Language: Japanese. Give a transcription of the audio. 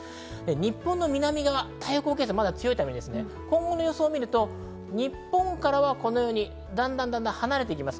日本の南には太平洋高気圧が強いため、今後の予想を見ると日本からはだんだん離れていきます。